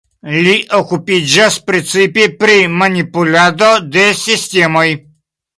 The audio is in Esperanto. Li okupiĝas precipe pri manipulado de sistemoj.